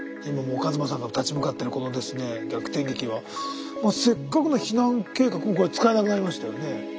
今一馬さんが立ち向かってるこのですね逆転劇はせっかくの避難計画も使えなくなりましたよね。